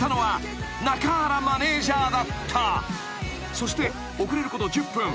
［そして遅れること１０分］